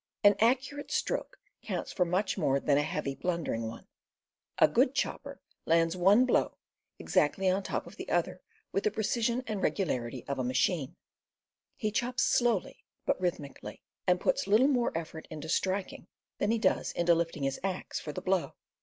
An accurate stroke counts for much more than a heavy but blundering one. A good chopper lands one blow exactly on top of the other with the precision and regularity of a machine; he chops slowly but rhythmically, and puts little more effort into striking than he does into lifting his axe for the blow.